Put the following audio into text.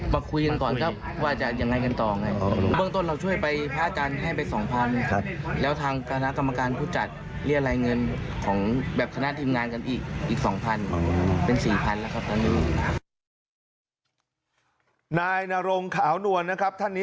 คุยกันก่อนครับว่าจะยังไงกันต่อไง